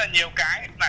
đấm võ kia